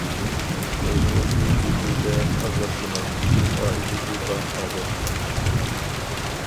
-ئۆزىڭىزنى بىھۇدە ئازابلىماڭ، سىز ئائىلىسى بار ئادەم!